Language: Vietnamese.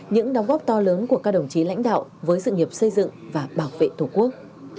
những đóng góp to lớn của các đồng chí lãnh đạo với sự nghiệp xây dựng và bảo vệ tổ quốc